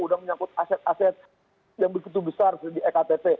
sudah menyangkut aset aset yang begitu besar di ektp